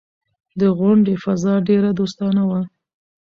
د غونډې فضا ډېره دوستانه وه.